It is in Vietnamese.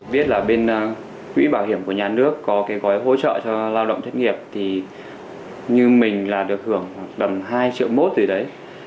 biết là bên quỹ bảo hiểm của nhà nước có cái gói hỗ trợ cho lao động thất nghiệp thì như mình là được hưởng tầm hai triệu mốt gì đấy